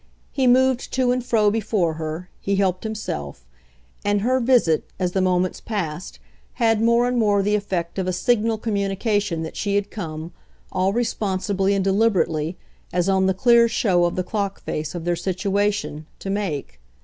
He moved to and fro before her, he helped himself; and her visit, as the moments passed, had more and more the effect of a signal communication that she had come, all responsibly and deliberately, as on the clear show of the clock face of their situation, to make.